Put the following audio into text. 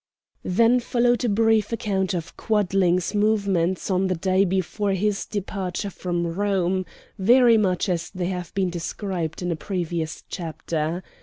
Then followed a brief account of Quadling's movements on the day before his departure from Rome, very much as they have been described in a previous chapter.